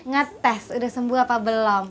ngetes sudah sembuh apa belum